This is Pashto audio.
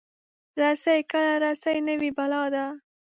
رسۍ کله رسۍ نه وي، بلا ده.